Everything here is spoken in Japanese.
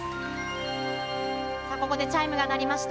さあ、ここでチャイムが鳴りました。